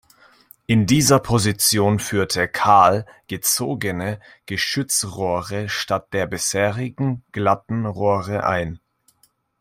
In dieser Position führte Carl gezogene Geschützrohre statt der bisherigen glatten Rohre ein.